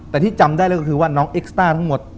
แต่ที่จำได้เลยก็คือว่าน้องเอ็กซ์ต้าทั้งหมด